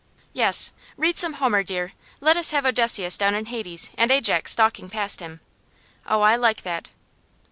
'Yes. Read some Homer, dear. Let us have Odysseus down in Hades, and Ajax stalking past him. Oh, I like that!